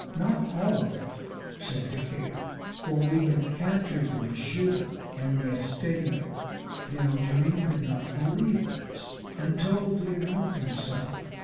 "Not all of it," said Decatur, "for we have captured the Mashuda and the Estedio." The Algerine could not believe this, and told the American so.